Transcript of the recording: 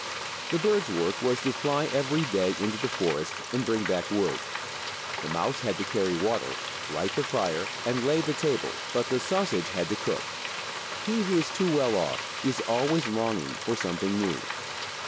The bird's work was to fly every day into the forest and bring back wood. The mouse had to carry water, light the fire, and lay the table, but the sausage had to cook. He who is too well off is always longing for something new.